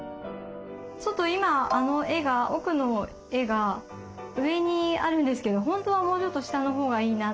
ちょっと今あの絵が奥の絵が上にあるんですけど本当はもうちょっと下の方がいいな。